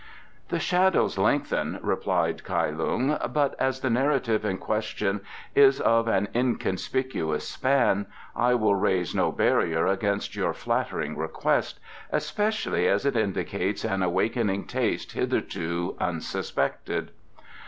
"The shadows lengthen," replied Kai Lung, "but as the narrative in question is of an inconspicuous span I will raise no barrier against your flattering request, especially as it indicates an awakening taste hitherto unsuspected."